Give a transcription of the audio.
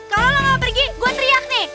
kalau lo mau pergi gue teriak nih